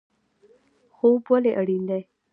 خوب ولې اړین دی؟